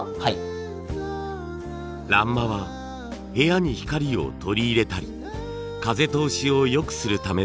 欄間は部屋に光を採り入れたり風通しを良くするためのもの。